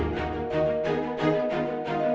nanti gue mau ngajarin